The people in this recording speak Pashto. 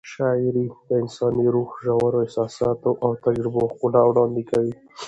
شاعري د انساني روح د ژورو احساساتو او تجربو ښکلا وړاندې کوي.